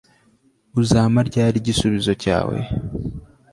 Uzampa ryari igisubizo cyawe